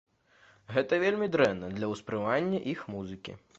Гэта вельмі дрэнна для ўспрымання іх музыкі.